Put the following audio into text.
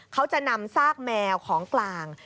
เขาจะนำซากแมวของกลาง